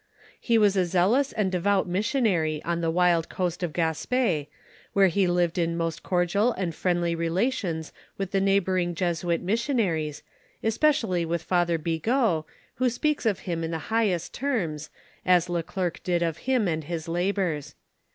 He was a zealous and devout missionary on the wild coast of Gasp4, where he lived in most cordial and friendly relations with the neighboring Jesuit mission aries, especially with Father Bigot, who speaks of him in the highest terms, as le Clercq did of him and his labors.